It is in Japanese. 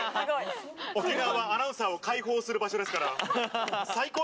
沖縄はアナウンサーを開放する場所ですから。